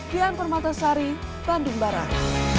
kian permatasari bandung barat